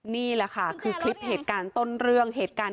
นี่ล่ะค่ะคือครับแต่เหตุการณ์ต้นเรื่องของมัน